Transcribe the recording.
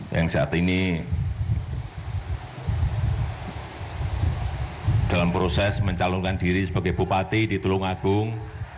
yang saat ini dalam proses mencalonkan diri sebagai bupati di tulung agung